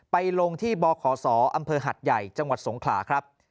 ไปลงที่บขศอำเภอหัดใหญ่จังหวัดสงขลาครับ